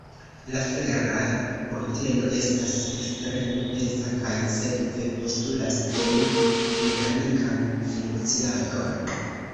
La fera kurteno estas ekstreme peza kaj sekve postulas ĝi mekanikan funkciadon.